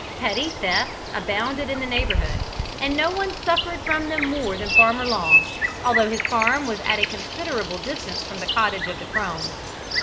Petty thefts abounded in the neighbourhood, and no one suffered from them more than Farmer Long, although his farm was at a considerable distance from the cottage of the crones.